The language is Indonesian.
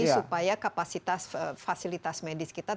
supaya kapasitas fasilitas medis kita